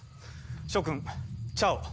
諸君チャオ。